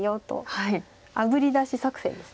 あぶり出し作戦です。